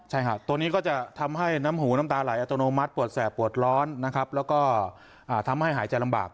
ใช่ค่ะตัวนี้ก็จะทำให้น้ำหูน้ำตาไหลอัตโนมัติปวดแสบปวดร้อนนะครับแล้วก็ทำให้หายใจลำบาก